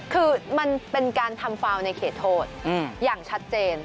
คือมันเป็นการทำฟาวในเขตโทษอย่างชัดเจน